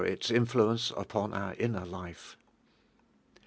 its in fluence upon our inner life.